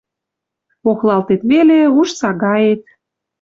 Охлалтет веле — уж сагаэт.